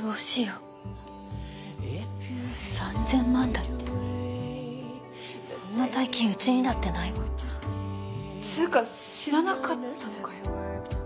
どうしよう３０００万だってそんな大金うちにだってないわつうか知らなかったのかよ？